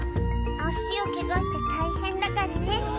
足をけがして大変だからね。